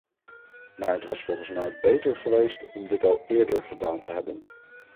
Maar het was volgens mij beter geweest om dit al eerder gedaan te hebben.